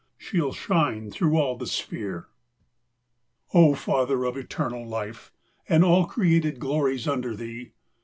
She '11 shine through all the sphere. O Father of eternal life, and all Created glories under Thee